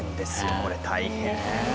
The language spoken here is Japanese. これ大変。